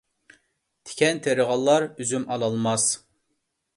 تىكەن تېرىغانلار ئۈزۈم ئالالماس.